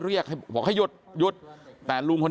เดี๋ยวให้กลางกินขนม